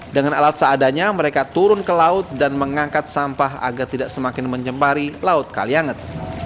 dengan alat seadanya mereka turun ke laut dan mengangkat sampah agar tidak semakin menyempari laut kalianget